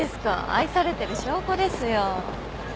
愛されてる証拠ですよ。